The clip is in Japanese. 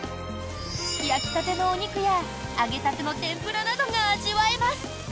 焼きたてのお肉や揚げたての天ぷらなどが味わえます。